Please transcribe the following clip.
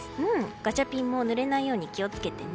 ガチャピンもぬれないように気を付けてね。